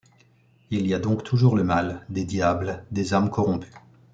Il y a donc toujours le Mal, des diables, des âmes corrompues.